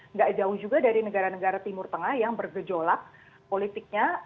nggak jauh juga dari negara negara timur tengah yang bergejolak politiknya